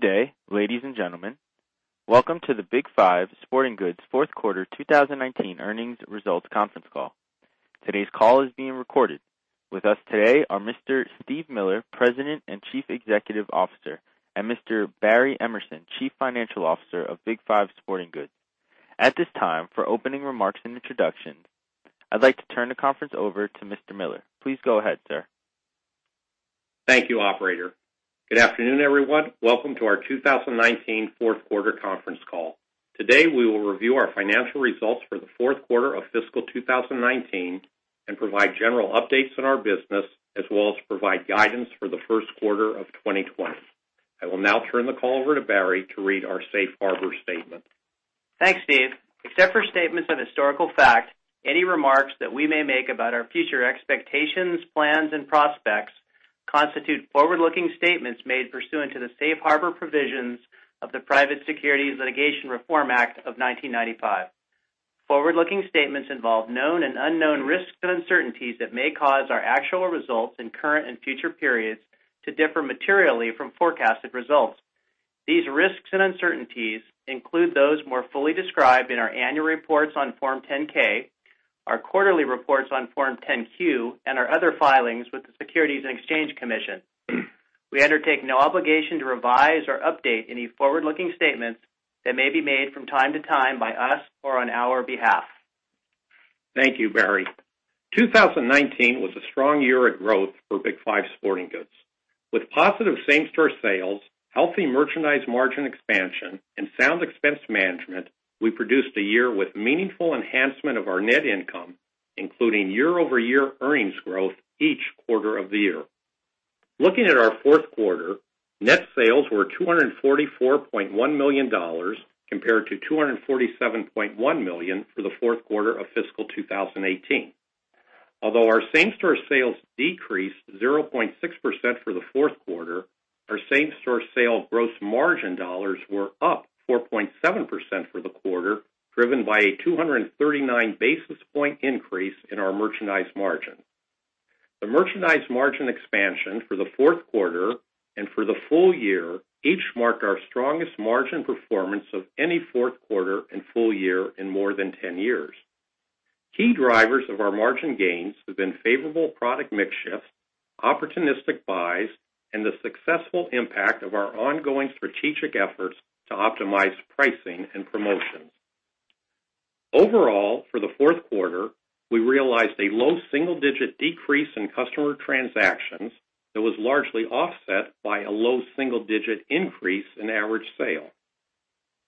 Good day, ladies and gentlemen. Welcome to the Big 5 Sporting Goods fourth quarter 2019 earnings results conference call. Today's call is being recorded. With us today are Mr. Steve Miller, President and Chief Executive Officer, and Mr. Barry Emerson, Chief Financial Officer of Big 5 Sporting Goods. At this time, for opening remarks and introductions, I'd like to turn the conference over to Mr. Miller. Please go ahead, sir. Thank you, operator. Good afternoon, everyone. Welcome to our 2019 fourth quarter conference call. Today, we will review our financial results for the fourth quarter of fiscal 2019 and provide general updates on our business, as well as provide guidance for the first quarter of 2020. I will now turn the call over to Barry to read our safe harbor statement. Thanks, Steve. Except for statements of historical fact, any remarks that we may make about our future expectations, plans, and prospects constitute forward-looking statements made pursuant to the safe harbor provisions of the Private Securities Litigation Reform Act of 1995. Forward-looking statements involve known and unknown risks and uncertainties that may cause our actual results in current and future periods to differ materially from forecasted results. These risks and uncertainties include those more fully described in our annual reports on Form 10-K, our quarterly reports on Form 10-Q, and our other filings with the Securities and Exchange Commission. We undertake no obligation to revise or update any forward-looking statements that may be made from time to time by us or on our behalf. Thank you, Barry. 2019 was a strong year of growth for Big 5 Sporting Goods. With positive same-store sales, healthy merchandise margin expansion, and sound expense management, we produced a year with meaningful enhancement of our net income, including year-over-year earnings growth each quarter of the year. Looking at our fourth quarter, net sales were $244.1 million compared to $247.1 million for the fourth quarter of fiscal 2018. Although our same-store sales decreased 0.6% for the fourth quarter, our same-store sales gross margin dollars were up 4.7% for the quarter, driven by a 239 basis point increase in our merchandise margin. The merchandise margin expansion for the fourth quarter and for the full year each marked our strongest margin performance of any fourth quarter and full year in more than 10 years. Key drivers of our margin gains have been favorable product mix shifts, opportunistic buys, and the successful impact of our ongoing strategic efforts to optimize pricing and promotions. Overall, for the fourth quarter, we realized a low single-digit decrease in customer transactions that was largely offset by a low single-digit increase in average sale.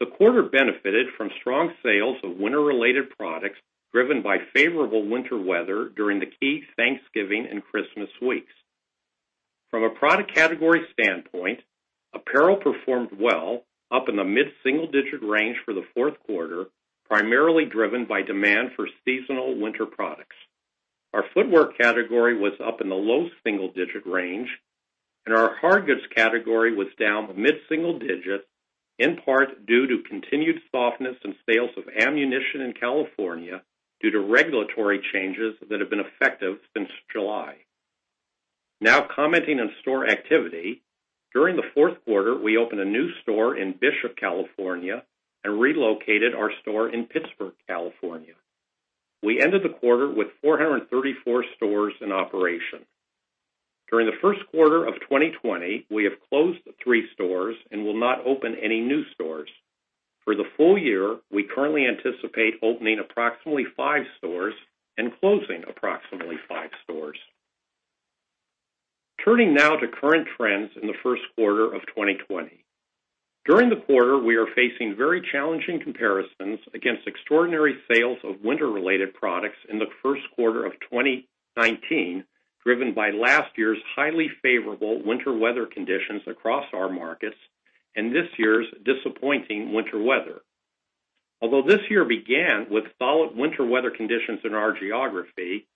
The quarter benefited from strong sales of winter-related products driven by favorable winter weather during the key Thanksgiving and Christmas weeks. From a product category standpoint, apparel performed well, up in the mid-single-digit range for the fourth quarter, primarily driven by demand for seasonal winter products. Our footwear category was up in the low single-digit range, and our hard goods category was down mid-single digit, in part due to continued softness in sales of ammunition in California due to regulatory changes that have been effective since July. Now commenting on store activity. During the fourth quarter, we opened a new store in Bishop, California, and relocated our store in Pittsburg, California. We ended the quarter with 434 stores in operation. During the first quarter of 2020, we have closed three stores and will not open any new stores. For the full year, we currently anticipate opening approximately five stores and closing approximately five stores. Turning now to current trends in the first quarter of 2020. During the quarter, we are facing very challenging comparisons against extraordinary sales of winter-related products in the first quarter of 2019, driven by last year's highly favorable winter weather conditions across our markets and this year's disappointing winter weather. Although this year began with solid winter weather conditions in our geography,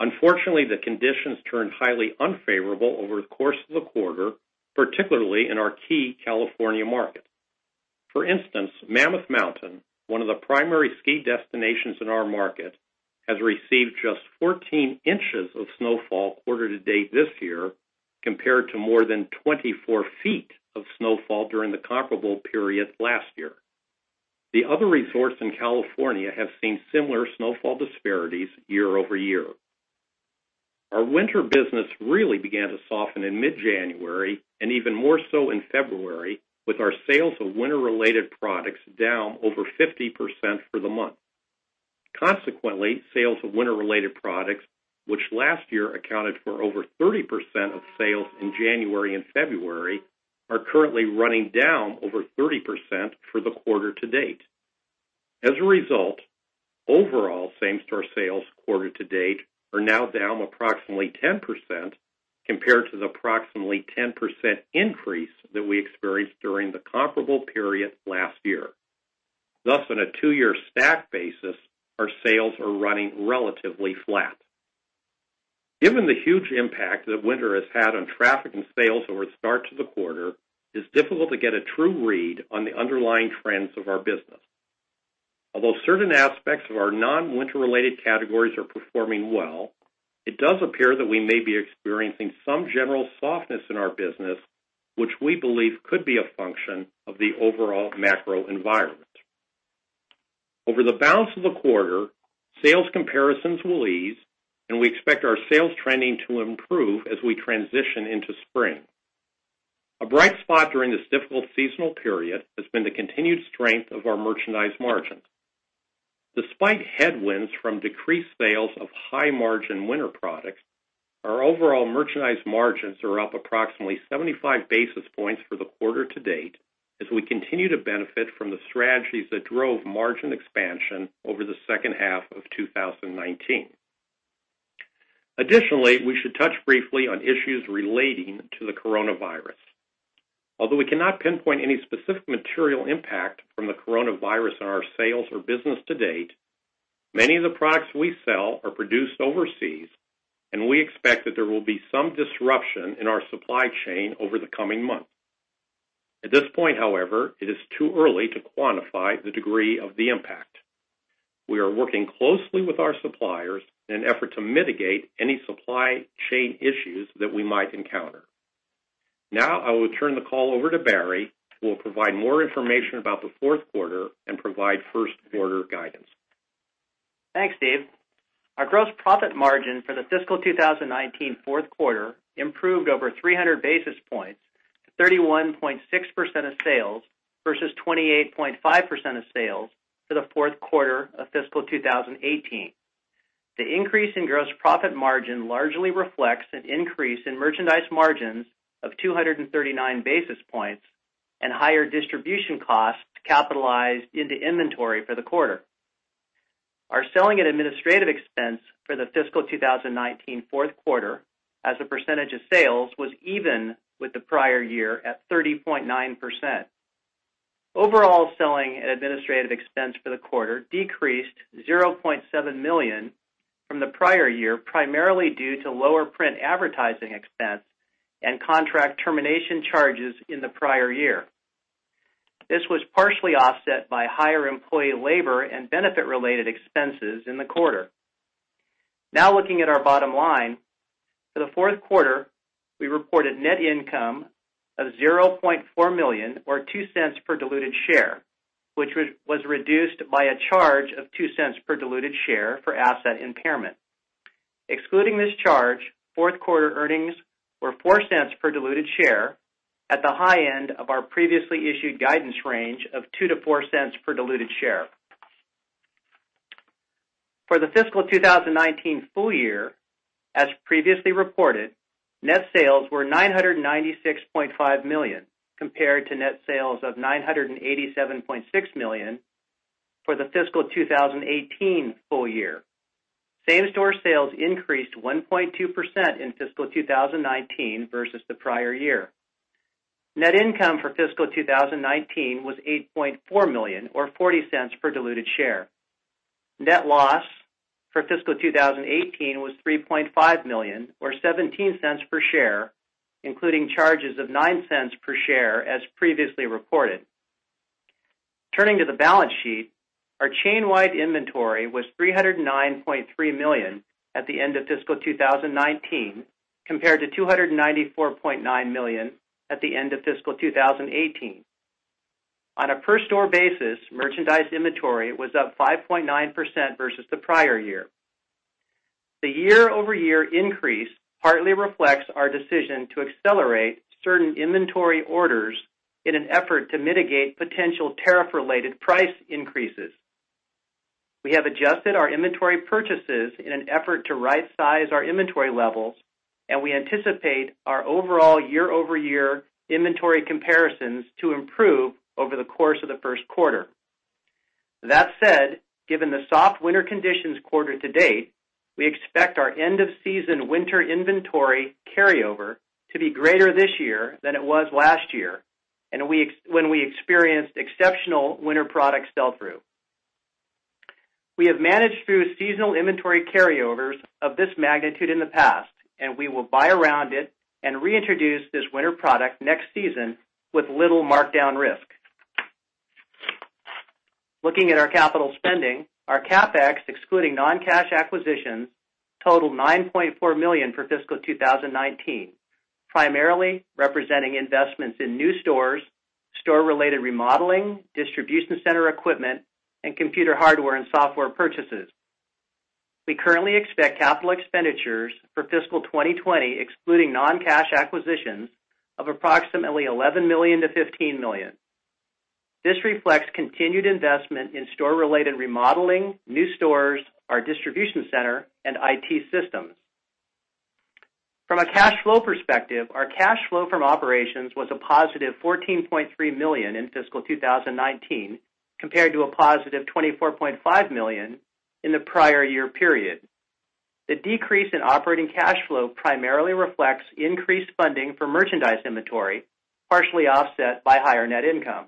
unfortunately, the conditions turned highly unfavorable over the course of the quarter, particularly in our key California market. For instance, Mammoth Mountain, one of the primary ski destinations in our market, has received just 14 inches of snowfall quarter to date this year compared to more than 24 feet of snowfall during the comparable period last year. The other resorts in California have seen similar snowfall disparities year-over-year. Our winter business really began to soften in mid-January and even more so in February, with our sales of winter-related products down over 50% for the month. Consequently, sales of winter-related products, which last year accounted for over 30% of sales in January and February, are currently running down over 30% for the quarter to date. As a result, overall same-store sales quarter to date are now down approximately 10% compared to the approximately 10% increase that we experienced during the comparable period last year. Thus, on a two-year stack basis, our sales are running relatively flat. Given the huge impact that winter has had on traffic and sales over the start to the quarter, it's difficult to get a true read on the underlying trends of our business. Although certain aspects of our non-winter related categories are performing well, it does appear that we may be experiencing some general softness in our business, which we believe could be a function of the overall macro environment. Over the balance of the quarter, sales comparisons will ease, and we expect our sales trending to improve as we transition into spring. A bright spot during this difficult seasonal period has been the continued strength of our merchandise margins. Despite headwinds from decreased sales of high-margin winter products, our overall merchandise margins are up approximately 75 basis points for the quarter to date as we continue to benefit from the strategies that drove margin expansion over the second half of 2019. We should touch briefly on issues relating to the coronavirus. We cannot pinpoint any specific material impact from the coronavirus on our sales or business to date, many of the products we sell are produced overseas, and we expect that there will be some disruption in our supply chain over the coming months. At this point, however, it is too early to quantify the degree of the impact. We are working closely with our suppliers in an effort to mitigate any supply chain issues that we might encounter. I will turn the call over to Barry, who will provide more information about the fourth quarter and provide first quarter guidance. Thanks, Steve. Our gross profit margin for the fiscal 2019 fourth quarter improved over 300 basis points to 31.6% of sales, versus 28.5% of sales for the fourth quarter of fiscal 2018. The increase in gross profit margin largely reflects an increase in merchandise margins of 239 basis points and higher distribution costs capitalized into inventory for the quarter. Our selling and administrative expense for the fiscal 2019 fourth quarter as a percentage of sales was even with the prior year at 30.9%. Overall selling and administrative expense for the quarter decreased $0.7 million from the prior year, primarily due to lower print advertising expense and contract termination charges in the prior year. This was partially offset by higher employee labor and benefit-related expenses in the quarter. Now looking at our bottom line. For the fourth quarter, we reported net income of $0.4 million or $0.02 per diluted share, which was reduced by a charge of $0.02 per diluted share for asset impairment. Excluding this charge, fourth quarter earnings were $0.04 per diluted share at the high end of our previously issued guidance range of $0.02-$0.04 per diluted share. For the fiscal 2019 full year, as previously reported, net sales were $996.5 million, compared to net sales of $987.6 million for the fiscal 2018 full year. Same-store sales increased 1.2% in fiscal 2019 versus the prior year. Net income for fiscal 2019 was $8.4 million or $0.40 per diluted share. Net loss for fiscal 2018 was $3.5 million or $0.17 per share, including charges of $0.09 per share as previously reported. Turning to the balance sheet, our chain-wide inventory was $309.3 million at the end of fiscal 2019, compared to $294.9 million at the end of fiscal 2018. On a per store basis, merchandise inventory was up 5.9% versus the prior year. The year-over-year increase partly reflects our decision to accelerate certain inventory orders in an effort to mitigate potential tariff-related price increases. We have adjusted our inventory purchases in an effort to right size our inventory levels, and we anticipate our overall year-over-year inventory comparisons to improve over the course of the first quarter. That said, given the soft winter conditions quarter to date, we expect our end-of-season winter inventory carryover to be greater this year than it was last year when we experienced exceptional winter product sell-through. We have managed through seasonal inventory carryovers of this magnitude in the past, and we will buy around it and reintroduce this winter product next season with little markdown risk. Looking at our capital spending, our CapEx, excluding non-cash acquisitions, totaled $9.4 million for fiscal 2019, primarily representing investments in new stores, store-related remodeling, distribution center equipment, and computer hardware and software purchases. We currently expect capital expenditures for fiscal 2020, excluding non-cash acquisitions, of approximately $11 million-$15 million. This reflects continued investment in store-related remodeling, new stores, our distribution center, and IT systems. From a cash flow perspective, our cash flow from operations was a positive $14.3 million in fiscal 2019, compared to a +$24.5 million in the prior year period. The decrease in operating cash flow primarily reflects increased funding for merchandise inventory, partially offset by higher net income.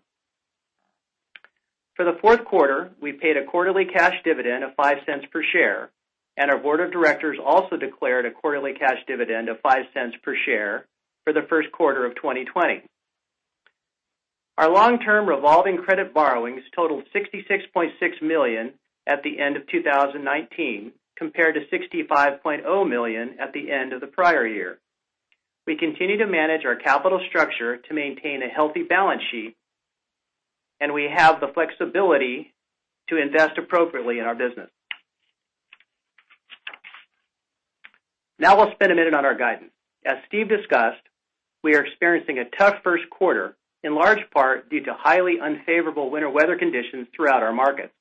For the fourth quarter, we paid a quarterly cash dividend of $0.05 per share. Our Board of Directors also declared a quarterly cash dividend of $0.05 per share for the first quarter of 2020. Our long-term revolving credit borrowings totaled $66.6 million at the end of 2019, compared to $65.0 million at the end of the prior year. We continue to manage our capital structure to maintain a healthy balance sheet, and we have the flexibility to invest appropriately in our business. Now we'll spend a minute on our guidance. As Steve discussed, we are experiencing a tough first quarter, in large part due to highly unfavorable winter weather conditions throughout our markets.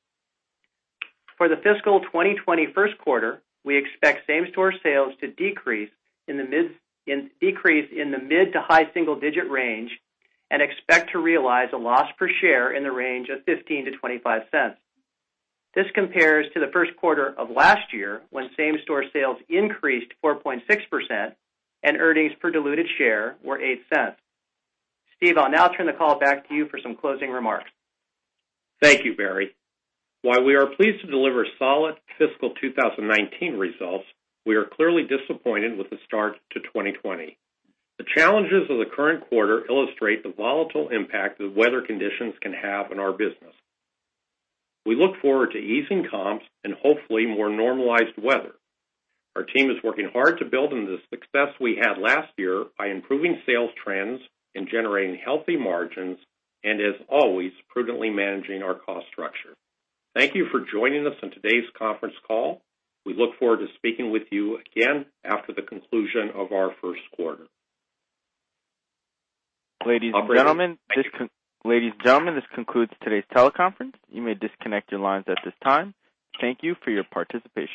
For the fiscal 2020 first quarter, we expect same-store sales to decrease in the mid to high single-digit range and expect to realize a loss per share in the range of $0.15-$0.25. This compares to the first quarter of last year, when same-store sales increased 4.6% and earnings per diluted share were $0.08. Steve, I'll now turn the call back to you for some closing remarks. Thank you, Barry. While we are pleased to deliver solid fiscal 2019 results, we are clearly disappointed with the start to 2020. The challenges of the current quarter illustrate the volatile impact that weather conditions can have on our business. We look forward to easing comps and hopefully more normalized weather. Our team is working hard to build on the success we had last year by improving sales trends and generating healthy margins and, as always, prudently managing our cost structure. Thank you for joining us on today's conference call. We look forward to speaking with you again after the conclusion of our first quarter. Ladies and gentlemen, this concludes today's teleconference. You may disconnect your lines at this time. Thank you for your participation.